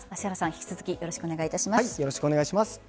引き続きよろしくお願いします。